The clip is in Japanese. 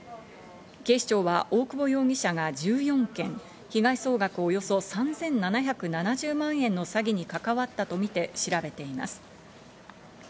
警視庁は大久保容疑者が１４件、被害総額およそ３７７０万円の詐欺に関わったとみて調べています。